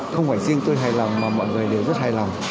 không phải riêng tôi hài lòng mà mọi người đều rất hài lòng